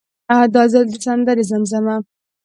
دا ځل د سندرې زمزمه.